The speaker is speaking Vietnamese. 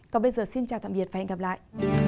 còn bây giờ xin chào tạm biệt và hẹn gặp lại